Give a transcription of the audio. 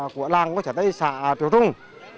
của làng quốc gia tây sạng triều trung